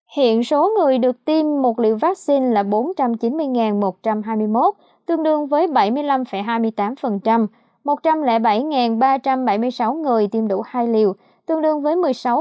hiện số người được tiêm một liều vaccine là bốn trăm chín mươi một trăm hai mươi một tương đương với bảy mươi năm hai mươi tám một trăm linh bảy ba trăm bảy mươi sáu người tiêm đủ hai liều tương đương với một mươi sáu